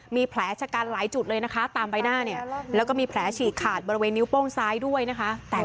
มีแผลชะกันหลายจุดเลยนะคะตามใบหน้า